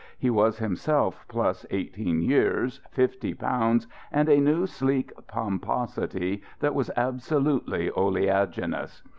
He was himself plus eighteen years, fifty pounds, and a new sleek pomposity that was absolutely oleaginous.